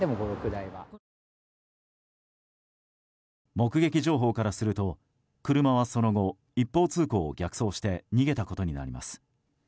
目撃情報からすると車はその後、一方通行を逆走して逃げたことになります。